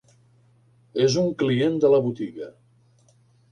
És un client de la botiga.